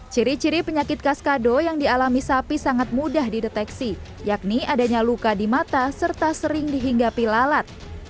ciri ciri penyakit kaskado yang dialami sapi sangat mudah dideteksi yakni adanya luka di mata serta sering dihinggapi lalat